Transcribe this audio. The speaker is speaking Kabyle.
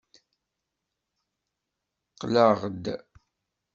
Qqleɣ-d.